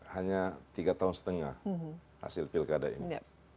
hanya tiga tahun setengah hasil pilkada ini